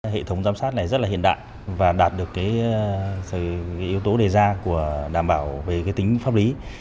hệ thống giám sát này rất là hiện đại và đạt được yếu tố đề ra của đảm bảo về tính pháp lý